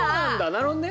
なるほどね。